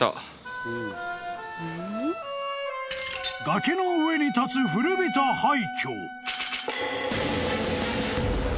［崖の上に立つ古びた廃墟］